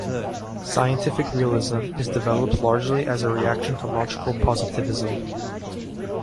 Scientific realism is developed largely as a reaction to logical positivism.